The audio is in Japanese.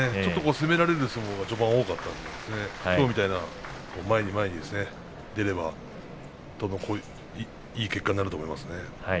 攻められることが序盤は多かったのできょうのように前に前に出ればいい結果になると思います。